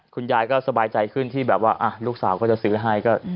คุณยายก็สบายใจขึ้นที่แบบว่าลูกสาวก็จะซื้อให้